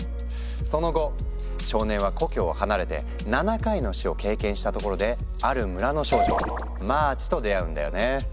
その後少年は故郷を離れて７回の「死」を経験したところである村の少女マーチと出会うんだよね。